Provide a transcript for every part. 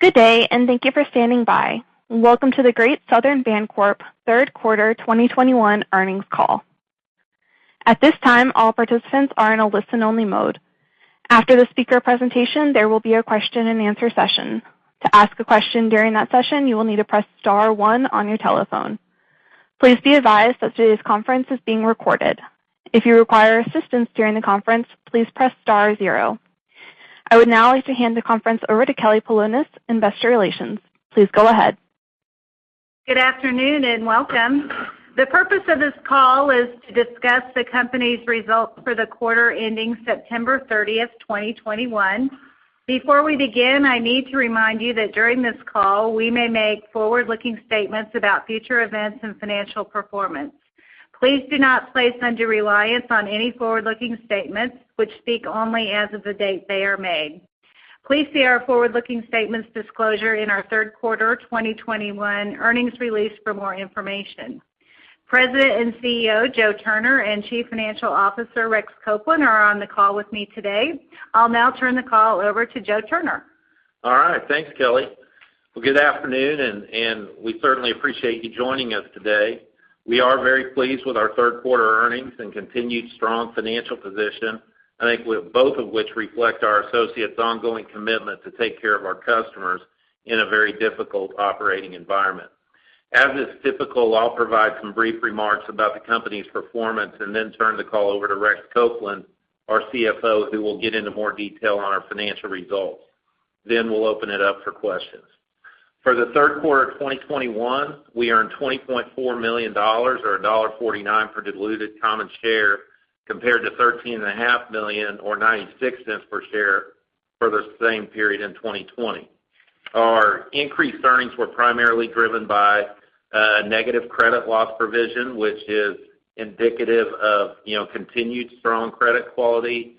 Good day, and thank you for standing by. Welcome to the Great Southern Bancorp third quarter 2021 earnings call. At this time, all participants are in a listen-only mode. After the speaker presentation, there will be a question and answer session. To ask a question during that session, you will need to press star one on your telephone. Please be advised that today's conference is being recorded. If you require assistance during the conference, please press star zero. I would now like to hand the conference over to Kelly Polonus, investor relations. Please go ahead. Good afternoon, and welcome. The purpose of this call is to discuss the company's results for the quarter ending September 30th, 2021. Before we begin, I need to remind you that during this call, we may make forward-looking statements about future events and financial performance. Please do not place undue reliance on any forward-looking statements which speak only as of the date they are made. Please see our forward-looking statements disclosure in our third quarter 2021 earnings release for more information. President and CEO, Joe Turner, and Chief Financial Officer, Rex Copeland, are on the call with me today. I'll now turn the call over to Joe Turner. All right. Thanks, Kelly. Well, good afternoon, and we certainly appreciate you joining us today. We are very pleased with our third quarter earnings and continued strong financial position. I think both of which reflect our associates' ongoing commitment to take care of our customers in a very difficult operating environment. As is typical, I'll provide some brief remarks about the company's performance and turn the call over to Rex Copeland, our CFO, who will get into more detail on our financial results. We'll open it up for questions. For the third quarter of 2021, we earned $20.4 million, or $1.49 per diluted common share, compared to $13.5 million, or $0.96 per share for the same period in 2020. Our increased earnings were primarily driven by a negative credit loss provision, which is indicative of continued strong credit quality,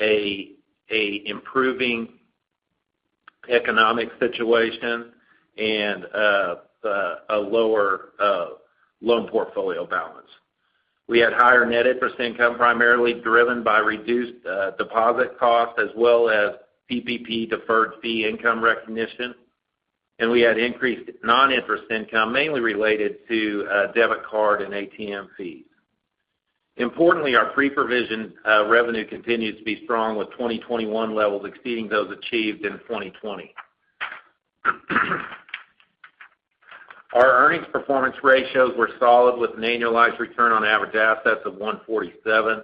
an improving economic situation, and a lower loan portfolio balance. We had higher net interest income, primarily driven by reduced deposit costs as well as PPP deferred fee income recognition. We had increased non-interest income, mainly related to debit card and ATM fees. Importantly, our pre-provision revenue continues to be strong, with 2021 levels exceeding those achieved in 2020. Our earnings performance ratios were solid, with an annualized return on average assets of 1.47%,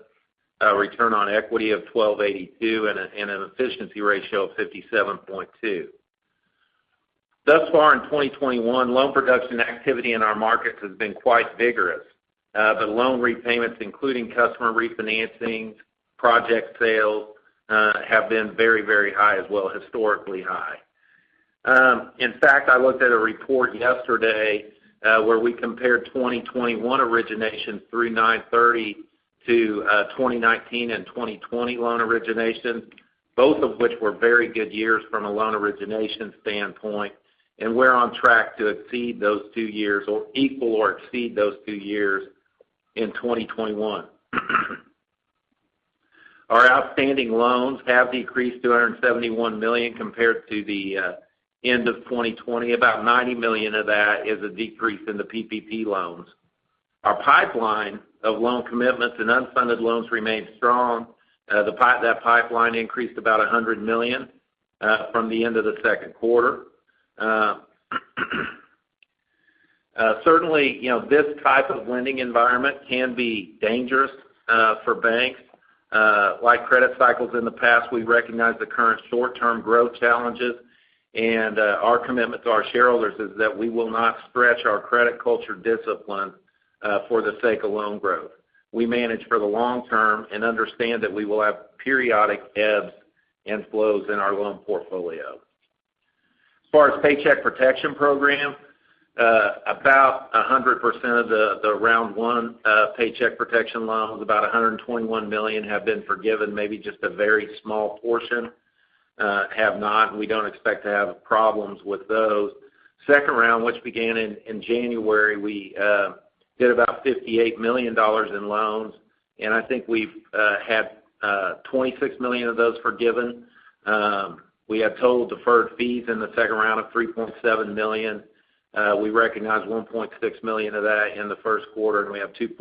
a return on equity of 12.82%, and an efficiency ratio of 57.2%. Thus far in 2021, loan production activity in our markets has been quite vigorous. The loan repayments, including customer refinancing, project sales, have been very high as well, historically high. In fact, I looked at a report yesterday where we compared 2021 origination through 9/30 to 2019 and 2020 loan origination, both of which were very good years from a loan origination standpoint. We're on track to equal or exceed those two years in 2021. Our outstanding loans have decreased to $271 million compared to the end of 2020. About $90 million of that is a decrease in the PPP loans. Our pipeline of loan commitments and unfunded loans remains strong. That pipeline increased about $100 million from the end of the second quarter. Certainly, this type of lending environment can be dangerous for banks. Like credit cycles in the past, we recognize the current short-term growth challenges. Our commitment to our shareholders is that we will not stretch our credit culture discipline for the sake of loan growth. We manage for the long term and understand that we will have periodic ebbs and flows in our loan portfolio. As far as Paycheck Protection Program, about 100% of the round one Paycheck Protection loans, about $121 million, have been forgiven, maybe just a very small portion have not. We don't expect to have problems with those. Second round, which began in January, we did about $58 million in loans, and I think we've had $26 million of those forgiven. We have total deferred fees in the second round of $3.7 million. We recognized $1.6 million of that in the first quarter, and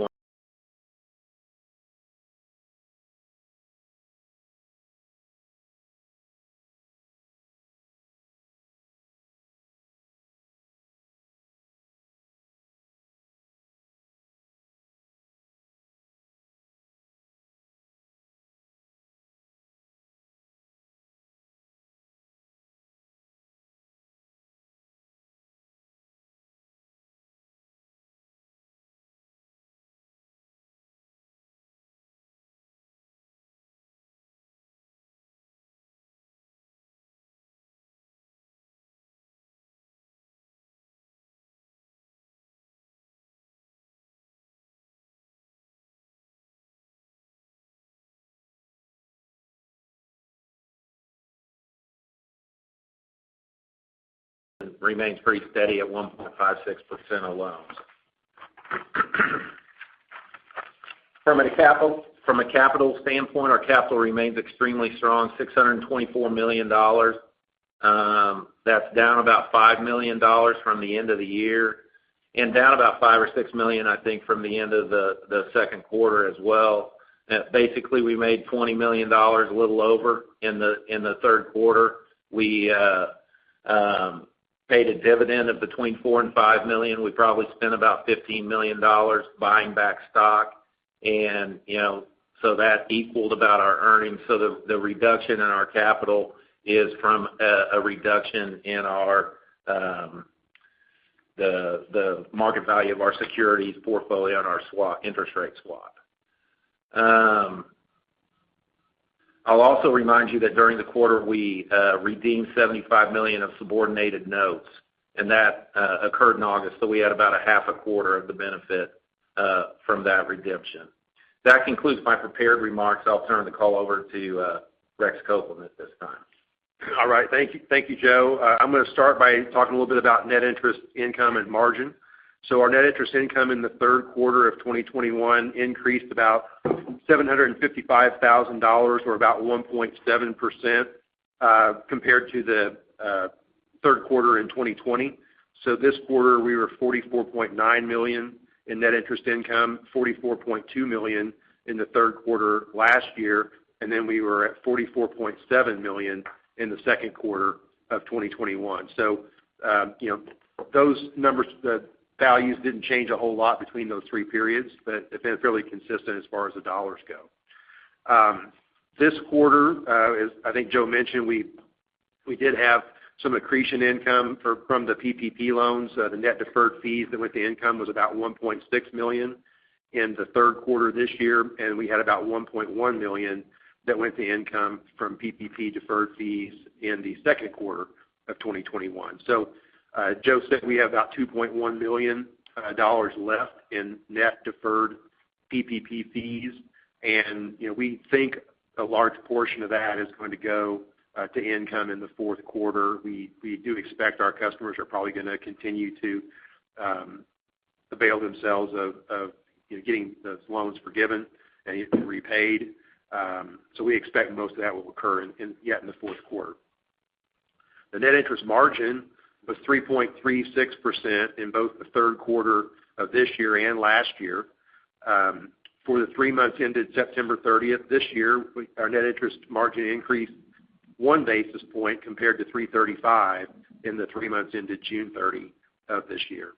we have $2.1 million remains pretty steady at 1.56% of loans. From a capital standpoint, our capital remains extremely strong, $624 million. That's down about $5 million from the end of the year and down about $5 million or $6 million, I think, from the end of the second quarter as well. Basically, we made $20 million, a little over, in the third quarter. We paid a dividend of between $4 million and $5 million. We probably spent about $15 million buying back stock. That equaled about our earnings. The reduction in our capital is from a reduction in the market value of our securities portfolio and our interest rate swap. I'll also remind you that during the quarter, we redeemed $75 million of subordinated notes, and that occurred in August. We had about a half a quarter of the benefit from that redemption. That concludes my prepared remarks. I'll turn the call over to Rex Copeland at this time. All right. Thank you, Joe. I'm going to start by talking a little bit about net interest income and margin. Our net interest income in the third quarter of 2021 increased about $755,000, or about 1.7%, compared to the third quarter in 2020. This quarter, we were $44.9 million in net interest income, $44.2 million in the third quarter last year, and then we were at $44.7 million in the second quarter of 2021. Those values didn't change a whole lot between those three periods, but they've been fairly consistent as far as the dollars go. This quarter, as I think Joe mentioned, we did have some accretion income from the PPP loans. The net deferred fees that went to income was about $1.6 million in the third quarter this year, and we had about $1.1 million that went to income from PPP deferred fees in the second quarter of 2021. Joe said we have about $2.1 million left in net deferred PPP fees, and we think a large portion of that is going to go to income in the fourth quarter. We do expect our customers are probably going to continue to avail themselves of getting those loans forgiven and repaid. We expect most of that will occur yet in the fourth quarter. The net interest margin was 3.36% in both the third quarter of this year and last year. For the three months ended September 30th this year, our net interest margin increased one basis point compared to 3.35% in the three months ended June 30 of this year.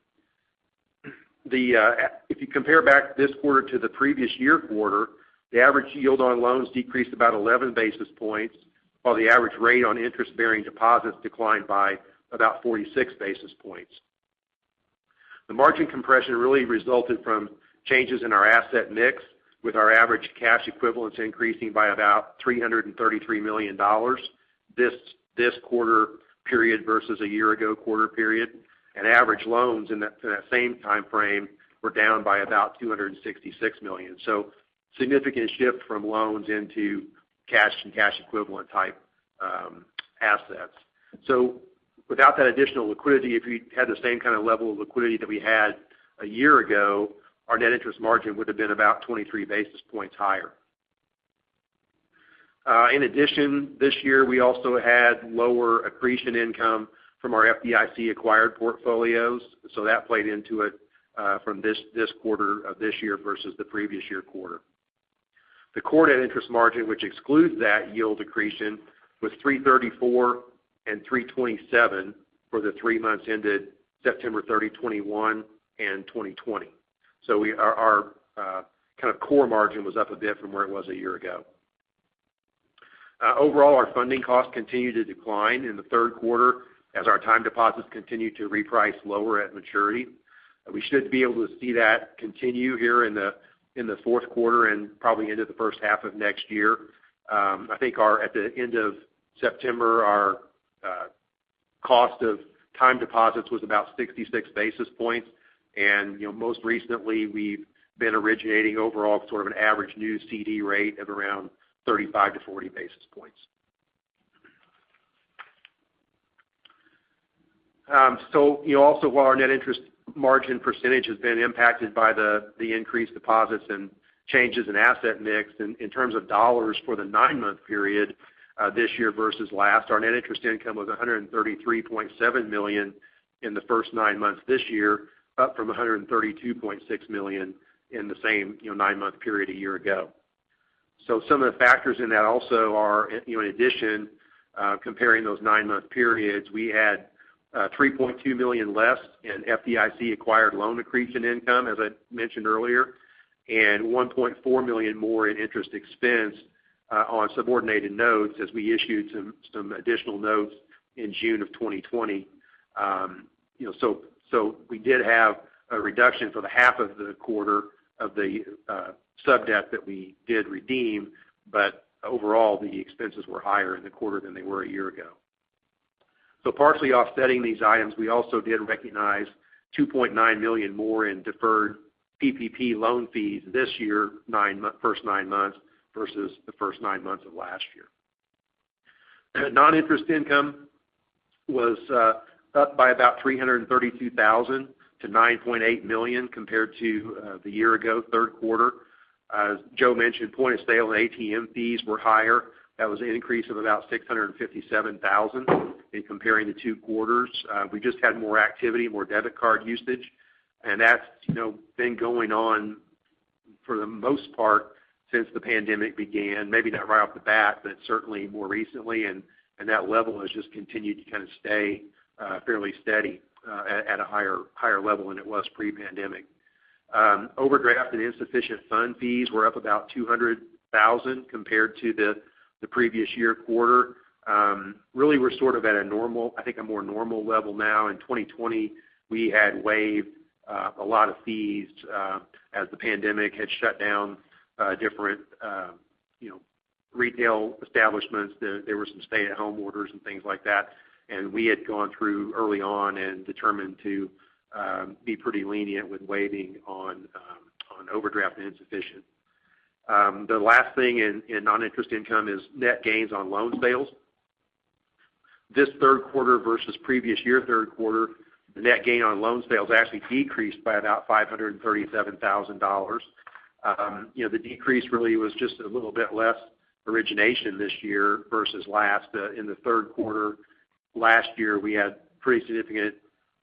If you compare back this quarter to the previous year quarter, the average yield on loans decreased about 11 basis points, while the average rate on interest-bearing deposits declined by about 46 basis points. The margin compression really resulted from changes in our asset mix, with our average cash equivalents increasing by about $333 million this quarter period versus a year ago quarter period, and average loans in that same time frame were down by about $266 million. Significant shift from loans into cash and cash equivalent type assets. Without that additional liquidity, if you had the same kind of level of liquidity that we had a year ago, our net interest margin would have been about 23 basis points higher. In addition, this year, we also had lower accretion income from our FDIC-acquired portfolios. That played into it from this quarter of this year versus the previous year quarter. The core net interest margin, which excludes that yield accretion, was 334 and 327 for the three months ended September 30, 2021 and 2020. Our kind of core margin was up a bit from where it was a year ago. Overall, our funding costs continued to decline in the third quarter as our time deposits continued to reprice lower at maturity. We should be able to see that continue here in the fourth quarter and probably into the first half of next year. I think at the end of September, our cost of time deposits was about 66 basis points, and most recently, we've been originating overall sort of an average new CD rate of around 35-40 basis points. Also while our net interest margin percentage has been impacted by the increased deposits and changes in asset mix, in terms of dollars for the nine-month period this year versus last, our net interest income was $133.7 million in the first nine months this year, up from $132.6 million in the same nine-month period a year ago. Some of the factors in that also are, in addition, comparing those nine-month periods, we had $3.2 million less in FDIC-acquired loan accretion income, as I mentioned earlier, and $1.4 million more in interest expense on subordinated notes as we issued some additional notes in June of 2020. We did have a reduction for the half of the quarter of the sub-debt that we did redeem, but overall, the expenses were higher in the quarter than they were a year ago. Partially offsetting these items, we also did recognize $2.9 million more in deferred PPP loan fees this year, first nine months, versus the first ninemonths of last year. Non-interest income was up by about $332,000 to $9.8 million compared to the year ago third quarter. As Joe mentioned, point of sale and ATM fees were higher. That was an increase of about $657,000 in comparing the two quarters. We just had more activity, more debit card usage, and that's been going on for the most part since the pandemic began, maybe not right off the bat, but certainly more recently, and that level has just continued to kind of stay fairly steady at a higher level than it was pre-pandemic. Overdraft and insufficient fund fees were up about $200,000 compared to the previous year quarter. Really, we're sort of at a normal, I think a more normal level now. In 2020, we had waived a lot of fees as the pandemic had shut down different retail establishments. There were some stay-at-home orders and things like that. We had gone through early on and determined to be pretty lenient with waiving on overdraft and insufficient. The last thing in non-interest income is net gains on loan sales. This third quarter versus previous year third quarter, the net gain on loan sales actually decreased by about $537,000. The decrease really was just a little bit less origination this year versus last. In the third quarter last year, we had pretty significant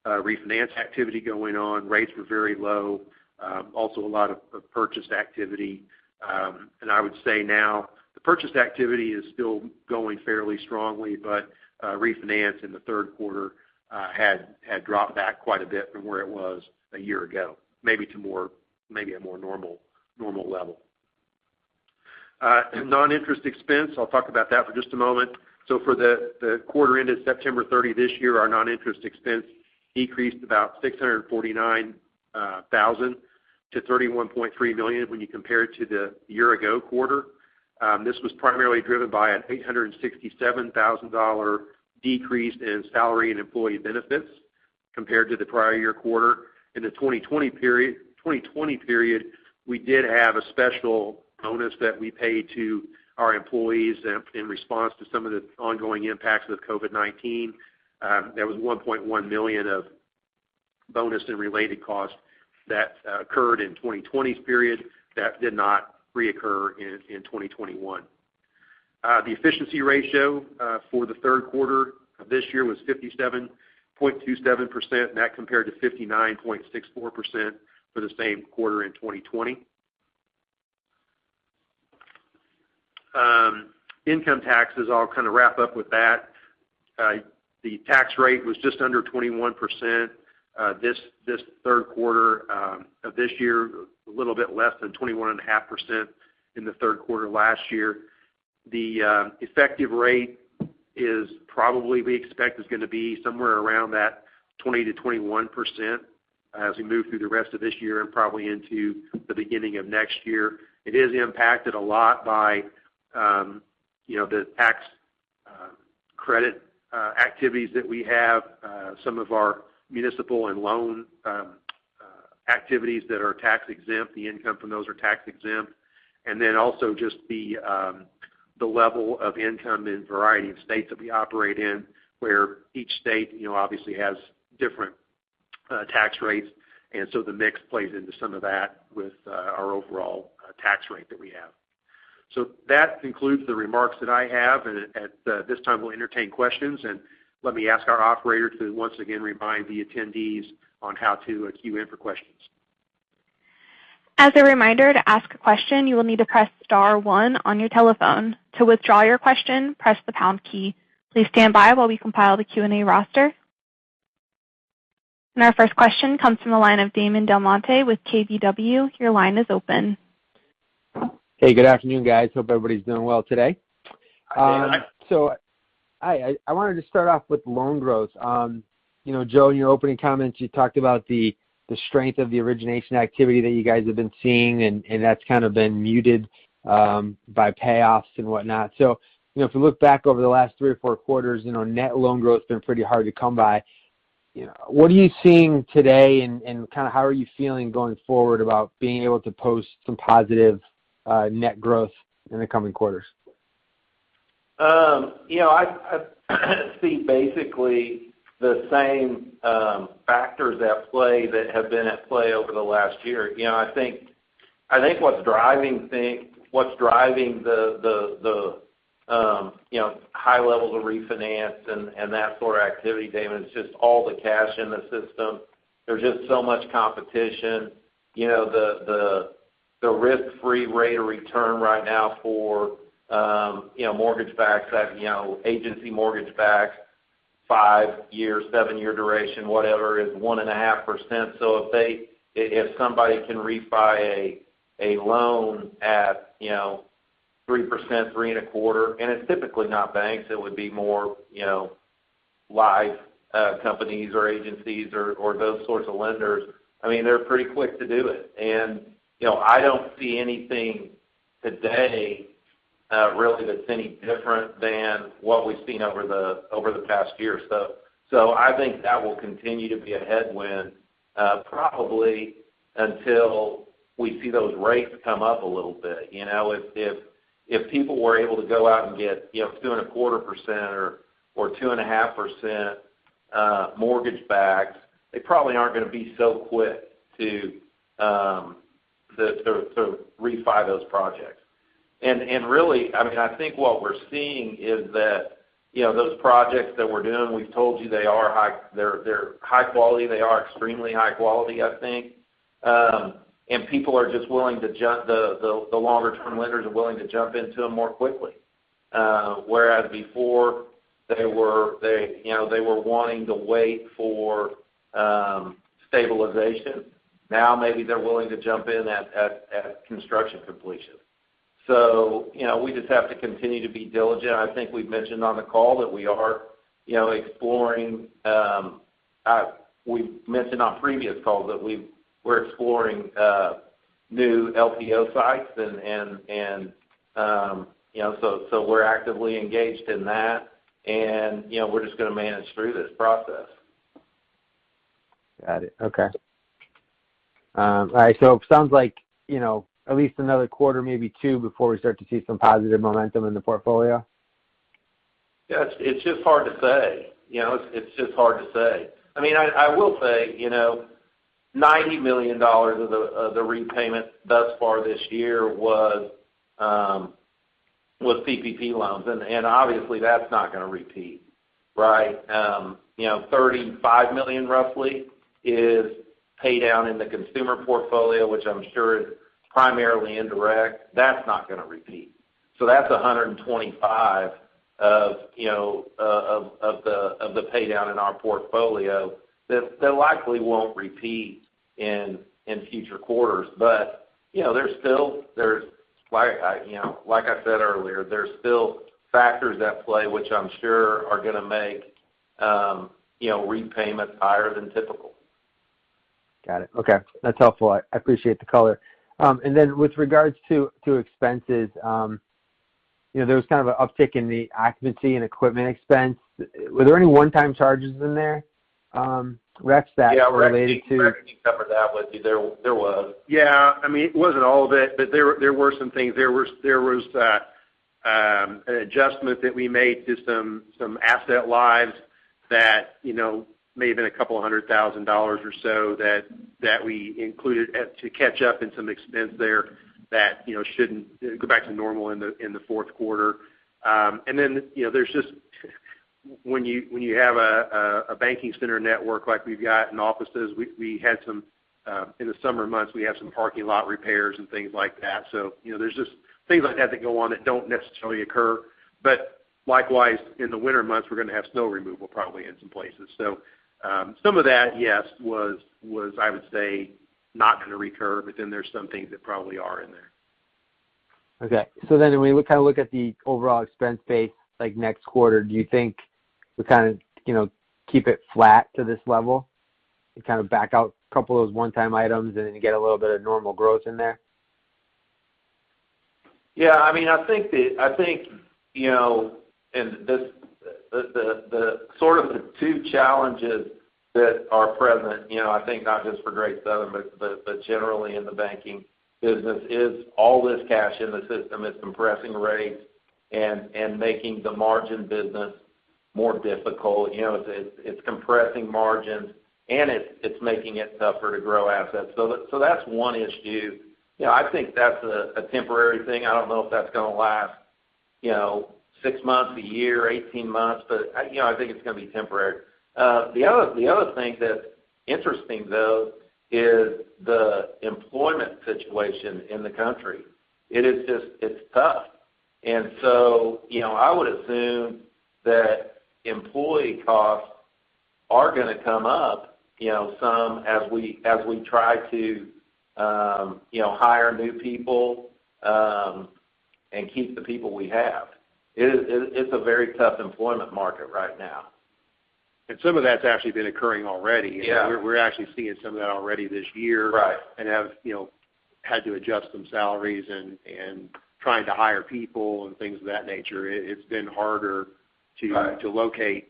refinance activity going on. Rates were very low. Also a lot of purchase activity. I would say now the purchase activity is still going fairly strongly, but refinance in the third quarter had dropped back quite a bit from where it was a year ago, maybe to a more normal level. Non-interest expense, I'll talk about that for just a moment. For the quarter ended September 30 this year, our non-interest expense decreased about $649,000 to $31.3 million when you compare it to the year ago quarter. This was primarily driven by an $867,000 decrease in salary and employee benefits compared to the prior year quarter. In the 2020 period, we did have a special bonus that we paid to our employees in response to some of the ongoing impacts with COVID-19. There was $1.1 million of bonus and related costs that occurred in 2020's period that did not reoccur in 2021. The efficiency ratio for the third quarter of this year was 57.27%. That compared to 59.64% for the same quarter in 2020. Income taxes, I'll kind of wrap up with that. The tax rate was just under 21% this third quarter of this year, a little bit less than 21.5% in the third quarter last year. The effective rate is probably, we expect, is going to be somewhere around that 20%-21% as we move through the rest of this year and probably into the beginning of next year. It is impacted a lot by the tax credit activities that we have. Some of our municipal and loan activities that are tax exempt, the income from those are tax exempt. Then also just the level of income in a variety of states that we operate in, where each state obviously has different tax rates, and so the mix plays into some of that with our overall tax rate that we have. That concludes the remarks that I have. At this time, we'll entertain questions, and let me ask our operator to once again remind the attendees on how to queue in for questions. As a reminder, to ask a question, you will need to press star one on your telephone. To withdraw your question, press the pound key. Please stand by while we compile the Q&A roster. Our first question comes from the line of Damon DelMonte with KBW. Your line is open. Hey, good afternoon, guys. Hope everybody's doing well today. Hi, Damon. I wanted to start off with loan growth. Joe, in your opening comments, you talked about the strength of the origination activity that you guys have been seeing, and that's kind of been muted by payoffs and whatnot. If we look back over the last three or four quarters, net loan growth has been pretty hard to come by. What are you seeing today, and kind of how are you feeling going forward about being able to post some positive net growth in the coming quarters? I see basically the same factors at play that have been at play over the last year. I think what's driving the high levels of refinance and that sort of activity, Damon, is just all the cash in the system. There's just so much competition. The risk-free rate of return right now for mortgage-backed, agency mortgage-backed, five-year, seven-year duration, whatever, is 1.5%. If somebody can refi a loan at 3%, 3.25%, and it's typically not banks, it would be more life companies or agencies or those sorts of lenders. I mean, they're pretty quick to do it. I don't see anything today really that's any different than what we've seen over the past year. I think that will continue to be a headwind probably until we see those rates come up a little bit. If people were able to go out and get 2.25% or 2.5% mortgage-backed, they probably aren't going to be so quick to refi those projects. Really, I think what we're seeing is that those projects that we're doing, we've told you they're high quality, they are extremely high quality, I think. The longer-term lenders are willing to jump into them more quickly. Whereas before, they were wanting to wait for stabilization. Now maybe they're willing to jump in at construction completion. We just have to continue to be diligent. I think we've mentioned on previous calls that we're exploring new LPO sites, and so we're actively engaged in that. We're just going to manage through this process. Got it. Okay. All right, it sounds like at least another quarter, maybe two, before we start to see some positive momentum in the portfolio? Yeah, it's just hard to say. I will say, $90 million of the repayment thus far this year was PPP loans. Obviously, that's not going to repeat. Right? $35 million roughly is pay down in the consumer portfolio, which I'm sure is primarily indirect. That's not going to repeat. That's $125 of the pay down in our portfolio that likely won't repeat in future quarters. Like I said earlier, there's still factors at play which I'm sure are going to make repayments higher than typical. Got it. Okay. That's helpful. I appreciate the color. Then with regards to expenses, there was kind of an uptick in the occupancy and equipment expense. Were there any one-time charges in there, Rex? Yeah, Rex can cover that. It wasn't all of it, but there were some things. There was an adjustment that we made to some asset lives that may have been a couple of $100,000 or so that we included to catch up in some expense there that shouldn't go back to normal in the fourth quarter. When you have a banking center network like we've got and offices, in the summer months, we had some parking lot repairs and things like that. There's just things like that go on that don't necessarily occur. Likewise, in the winter months, we're going to have snow removal probably in some places. Some of that, yes, was, I would say, not going to recur, there's some things that probably are in there. Okay. When we kind of look at the overall expense base, like next quarter, do you think we kind of keep it flat to this level and kind of back out a couple of those one-time items and then get a little bit of normal growth in there? Yeah, the two challenges that are present, I think, not just for Great Southern, but generally in the banking business, is all this cash in the system is compressing rates and making the margin business more difficult. It's compressing margins, and it's making it tougher to grow assets. That's one issue. I think that's a temporary thing. I don't know if that's going to last six months, one year, 18 months, but I think it's going to be temporary. The other thing that's interesting, though, is the employment situation in the country. It's tough. I would assume that employee costs are going to come up some as we try to hire new people and keep the people we have. It's a very tough employment market right now. Some of that's actually been occurring already. Yeah. We're actually seeing some of that already this year. Right. have had to adjust some salaries and trying to hire people and things of that nature. It's been harder. Right to locate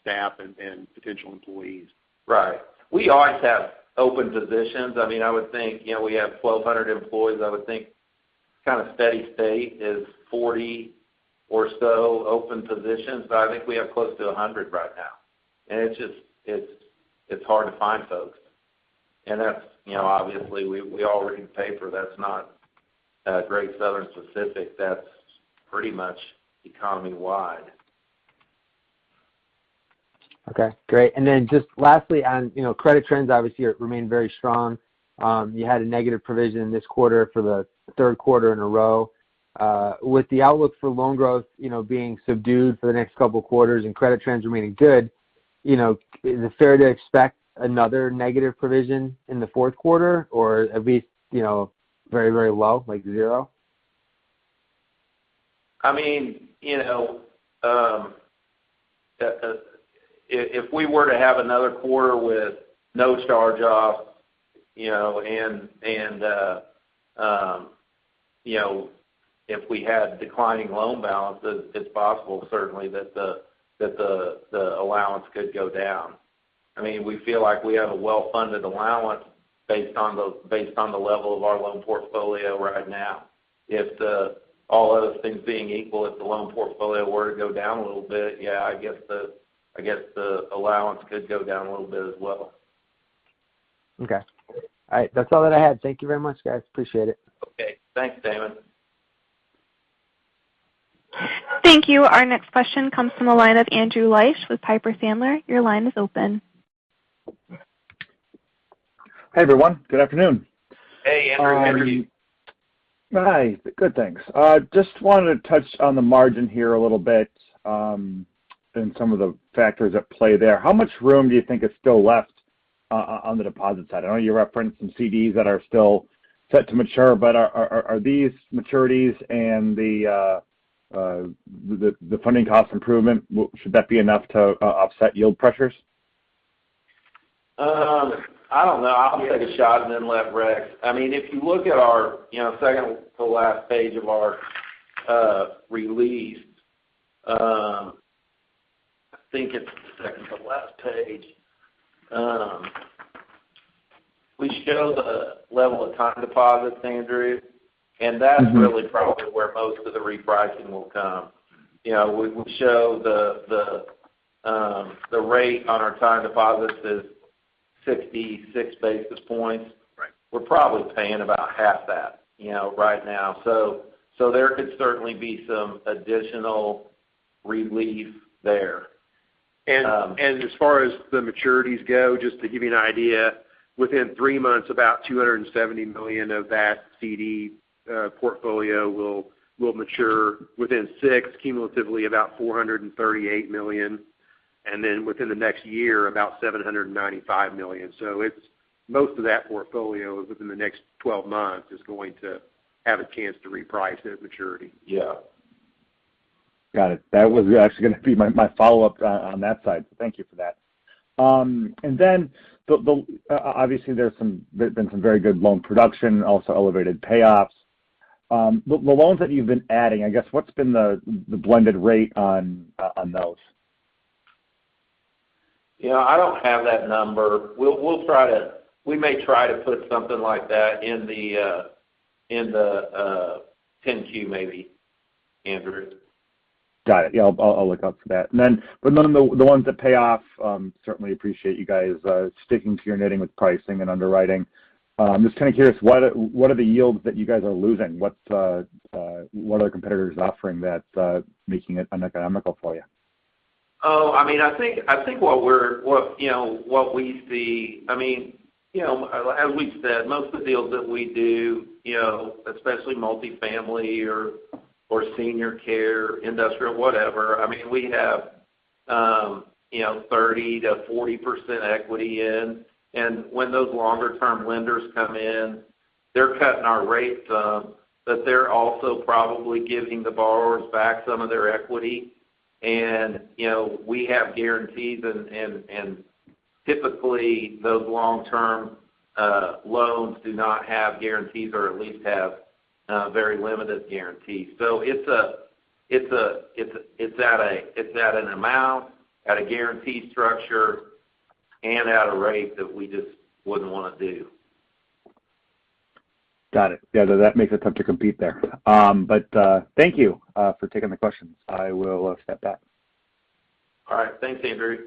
staff and potential employees. Right. We always have open positions. We have 1,200 employees. I would think kind of steady state is 40 or so open positions, but I think we have close to 100 right now. It's hard to find folks. Obviously, we all read the paper, that's not Great Southern specific, that's pretty much economy-wide. Okay. Great. Just lastly on credit trends, obviously, it remained very strong. You had a negative provision this quarter for the third quarter in a row. With the outlook for loan growth being subdued for the next couple of quarters and credit trends remaining good, is it fair to expect another negative provision in the fourth quarter? At least very, very low, like zero? If we were to have another quarter with no charge-off, and if we had declining loan balances, it's possible certainly that the allowance could go down. We feel like we have a well-funded allowance based on the level of our loan portfolio right now. If all other things being equal, if the loan portfolio were to go down a little bit, yeah, I guess the allowance could go down a little bit as well. Okay. All right. That's all that I had. Thank you very much, guys. Appreciate it. Okay. Thanks, Damon. Thank you. Our next question comes from the line of Andrew Liesch with Piper Sandler. Hey everyone. Good afternoon. Hey, Andrew Liesch. How are you? Hi. Good, thanks. Just wanted to touch on the margin here a little bit, and some of the factors at play there. How much room do you think is still left on the deposit side? I know you referenced some CDs that are still set to mature, but are these maturities and the funding cost improvement, should that be enough to offset yield pressures? I don't know. I'll take a shot and then let Rex. If you look at our second to last page of our release, I think it's the second to last page, we show the level of time deposits, Andrew, and that's really probably where most of the repricing will come. We show the rate on our time deposits is 66 basis points. Right. We're probably paying about half that right now. There could certainly be some additional relief there. As far as the maturities go, just to give you an idea, within three months, about $270 million of that CD portfolio will mature within six months, cumulatively about $438 million, within the next year, about $795 million. Most of that portfolio within the next 12 months is going to have a chance to reprice at maturity. Yeah. Got it. That was actually going to be my follow-up on that side, thank you for that. Obviously there's been some very good loan production, also elevated payoffs. The loans that you've been adding, I guess, what's been the blended rate on those? I don't have that number. We may try to put something like that in the 10-Q maybe, Andrew. Got it. Yeah, I'll look out for that. The ones that pay off, certainly appreciate you guys sticking to your knitting with pricing and underwriting. I'm just kind of curious, what are the yields that you guys are losing? What are competitors offering that's making it uneconomical for you? I think what we see, as we've said, most of the deals that we do, especially multifamily or senior care, industrial, whatever, we have 30%-40% equity in. When those longer term lenders come in, they're cutting our rates some, but they're also probably giving the borrowers back some of their equity. We have guarantees and typically those long-term loans do not have guarantees or at least have very limited guarantees. It's at an amount, at a guarantee structure, and at a rate that we just wouldn't want to do. Got it. Yeah, that makes it tough to compete there. Thank you for taking the questions. I will step back. All right, thanks, Andrew.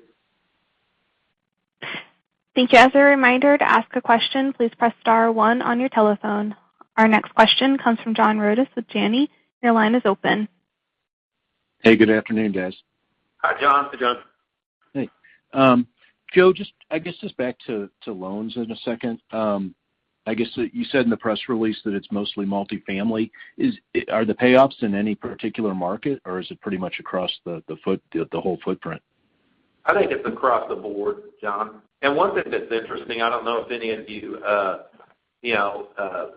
Thank you. As a reminder, to ask a question, please press star one on your telephone. Our next question comes from John Rodis with Janney. Your line is open. Hey, good afternoon, guys. Hi, John. Hey, John. Hey. Joe, just back to loans in a second. I guess you said in the press release that it's mostly multifamily. Are the payoffs in any particular market, or is it pretty much across the whole footprint? I think it's across the board, John. One thing that's interesting, I don't know if any of you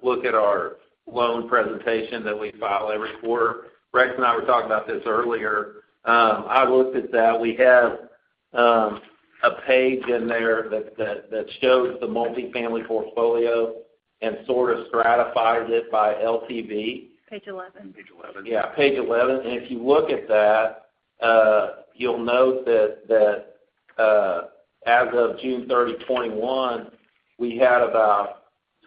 look at our loan presentation that we file every quarter. Rex and I were talking about this earlier. I looked at that. We have a page in there that shows the multifamily portfolio and sort of stratifies it by LTV. Page 11. Page 11. Yeah, page 11. If you look at that, you'll note that as of June 30, 2021, we had about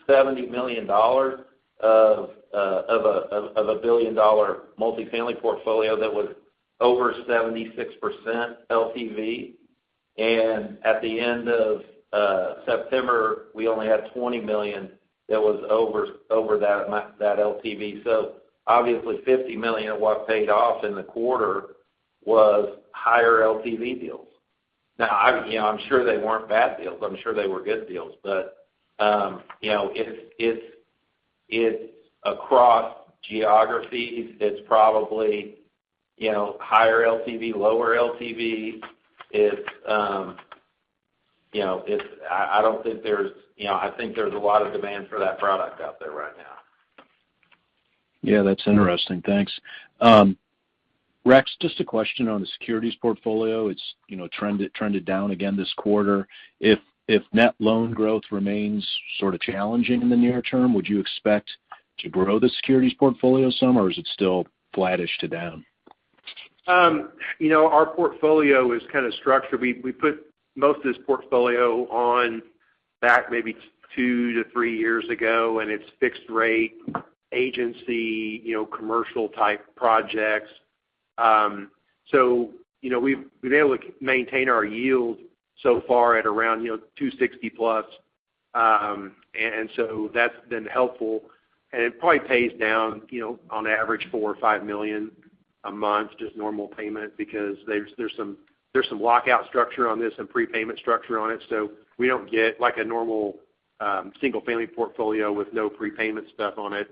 $70 million of a billion-dollar multifamily portfolio that was over 76% LTV. At the end of September, we only had $20 million that was over that LTV. Obviously, $50 million of what paid off in the quarter was higher LTV deals. Now, I'm sure they weren't bad deals. I'm sure they were good deals. It's across geographies. It's probably higher LTV, lower LTV. I think there's a lot of demand for that product out there right now. Yeah, that's interesting. Thanks, Rex, just a question on the securities portfolio. It's trended down again this quarter. If net loan growth remains sort of challenging in the near term, would you expect to grow the securities portfolio some, or is it still flattish to down? Our portfolio is kind of structured. We put most of this portfolio on back maybe two to three years ago, and it's fixed rate, agency, commercial-type projects. We've been able to maintain our yield so far at around 260+. That's been helpful, and it probably pays down on average, $4 million or $5 million a month, just normal payment, because there's some lockout structure on this and prepayment structure on it, so we don't get a normal single-family portfolio with no prepayment stuff on it.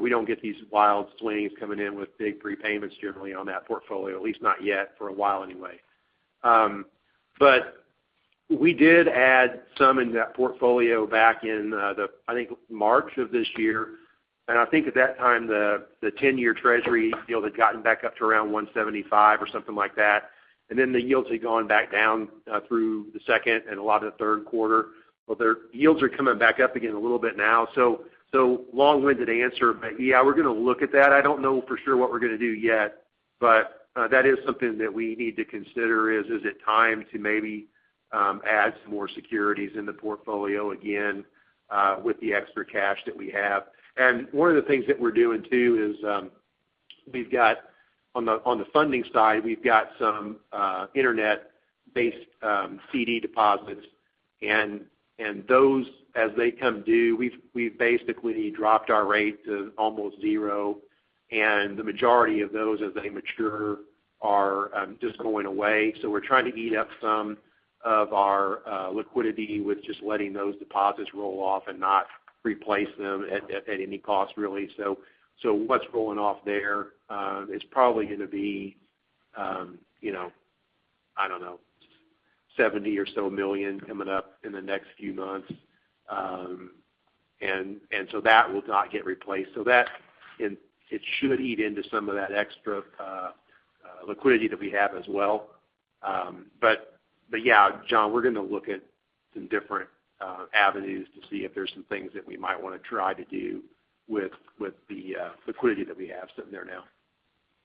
We don't get these wild swings coming in with big prepayments generally on that portfolio, at least not yet, for a while anyway. We did add some in that portfolio back in, I think, March of this year. I think at that time, the 10-year Treasury yield had gotten back up to around 175 or something like that, and then the yields had gone back down through the second and a lot of the third quarter. Their yields are coming back up again a little bit now. Long-winded answer, but yeah, we're going to look at that. I don't know for sure what we're going to do yet, but that is something that we need to consider is it time to maybe add some more securities in the portfolio again with the extra cash that we have? One of the things that we're doing, too, is we've got, on the funding side, we've got some internet-based CD deposits. Those, as they come due, we've basically dropped our rate to almost zero, and the majority of those, as they mature, are just going away. We're trying to eat up some of our liquidity with just letting those deposits roll off and not replace them at any cost, really. What's rolling off there is probably going to be, I don't know, $70 million or so coming up in the next few months. That will not get replaced. That, it should eat into some of that extra liquidity that we have as well. Yeah, John, we're going to look at some different avenues to see if there's some things that we might want to try to do with the liquidity that we have sitting there now.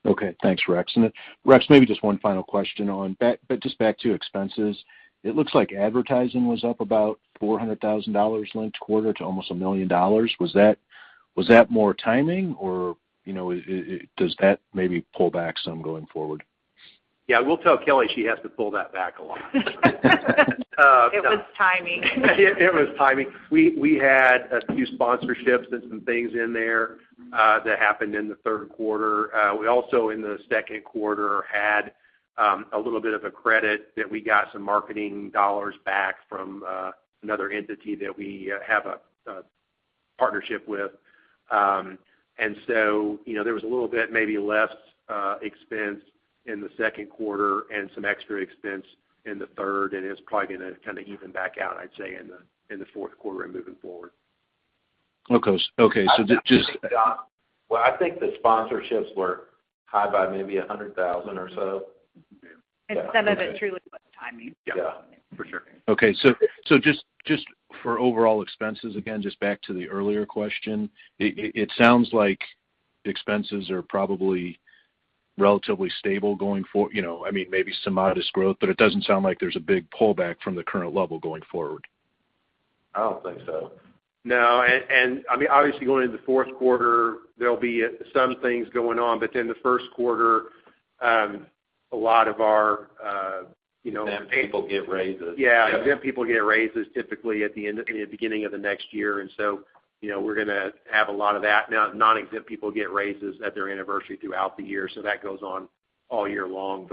Okay, thanks, Rex. Rex, maybe just one final question on, just back to expenses. It looks like advertising was up about $400,000 last quarter to almost $1 million. Was that more timing, or does that maybe pull back some going forward? Yeah, we'll tell Kelly she has to pull that back a lot. It was timing. It was timing. We had a few sponsorships and some things in there that happened in the third quarter. We also, in the second quarter, had a little bit of a credit that we got some marketing dollars back from another entity that we have a partnership with. There was a little bit, maybe less expense in the second quarter and some extra expense in the third, and it's probably going to kind of even back out, I'd say, in the fourth quarter and moving forward. Okay. Well, I think the sponsorships were high by maybe $100,000 or so. Some of it's really was timing. Yeah. For sure. Okay. Just for overall expenses, again, just back to the earlier question, it sounds like expenses are probably relatively stable, maybe some modest growth, but it doesn't sound like there's a big pullback from the current level going forward. I don't think so. No, obviously going into the fourth quarter, there'll be some things going on. The first quarter, a lot of our. The exempt people get raises. Exempt people get raises typically at the beginning of the next year. We're going to have a lot of that. Non-exempt people get raises at their anniversary throughout the year. That goes on all year long.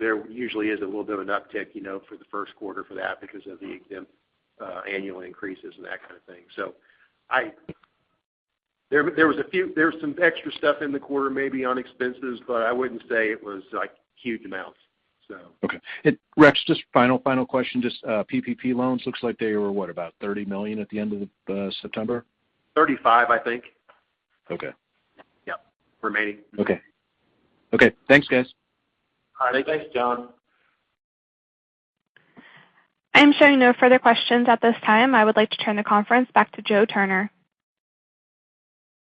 There usually is a little bit of an uptick for the first quarter for that because of the exempt annual increases and that kind of thing. There was some extra stuff in the quarter, maybe on expenses, but I wouldn't say it was huge amounts. Okay. Rex, just final question, just PPP loans, looks like they were, what, about $30 million at the end of September? 35, I think. Okay. Yep. Remaining. Okay. Okay, thanks, guys. All right. Thanks, John. I am showing no further questions at this time. I would like to turn the conference back to Joe Turner.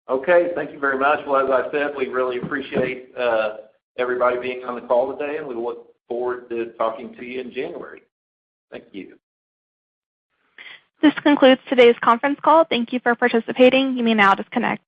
Okay, thank you very much. Well, as I said, we really appreciate everybody being on the call today, and we look forward to talking to you in January. Thank you. This concludes today's conference call. Thank you for participating. You may now disconnect.